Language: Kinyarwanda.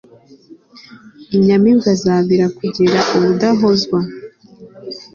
inyamibwa zabira kugera ubudahozwa